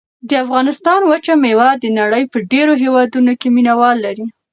د افغانستان وچه مېوه د نړۍ په ډېرو هېوادونو کې مینه وال لري.